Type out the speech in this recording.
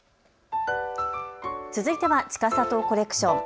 続いてはちかさとコレクション。